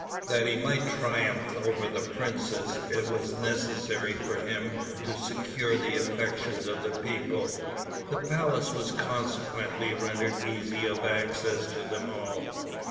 That he might triumph over the princes, it was necessary for him to secure the affections of the people. The palace was consequently rendered easy of access to them all.